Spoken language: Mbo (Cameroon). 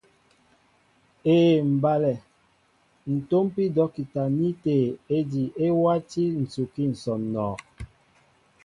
Éē mbálɛ, ǹ tómpí dɔ́kita ní tê ejí e wátí ǹsukí ǹsɔǹɔ.